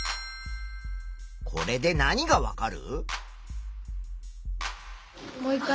これで何がわかる？